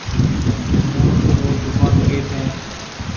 موهن رِي دُڪون ڪيٿ هيَ؟